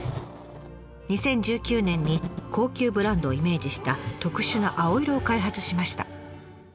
２０１９年に高級ブランドをイメージした特殊な青色を開発しました。